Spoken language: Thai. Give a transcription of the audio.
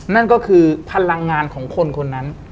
นั่นก็คือพลังงานของคนคนนั้น